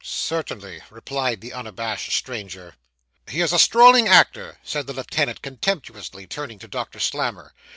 'Certainly,' replied the unabashed stranger. 'He is a strolling actor!' said the lieutenant contemptuously, turning to Doctor Slammer.